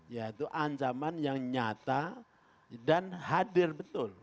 yaitu ancaman yang nyata dan hadir betul